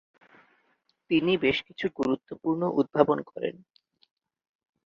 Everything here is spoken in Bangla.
তিনি বেশ কিছু গুরুত্বপূর্ণ উদ্ভাবন করেন।